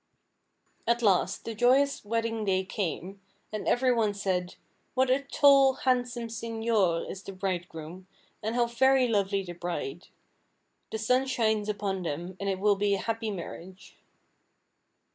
At last, the joyous wedding day came, and every one said, "What a tall, handsome señor is the bridegroom, and how very lovely the bride. The sun shines upon them and it will be a happy marriage."